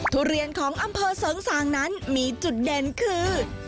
ทุเรียนของอำเภอเสริงสางนั้นมีจุดเด่นคือ